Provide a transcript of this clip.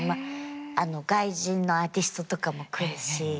あの外人のアーティストとかも来るし。